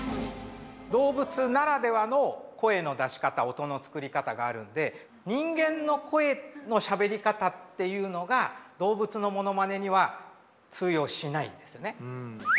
動物ならではの声の出し方音の作り方があるので人間の声のしゃべり方っていうのが動物のモノマネには通用しないんですね。